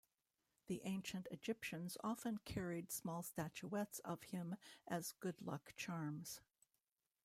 The ancient Egyptians often carried small statuettes of him as good-luck charms.